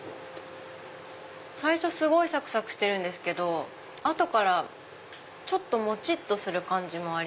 最初すごいサクサクしてるんですけど後からもちっとする感じも。